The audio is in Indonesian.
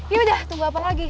yaudah tunggu apa lagi